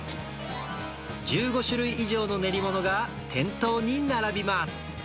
１５種類以上の練り物が店頭に並びます。